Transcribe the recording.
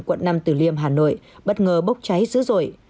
quận năm tử liêm hà nội bất ngờ bốc cháy dữ dội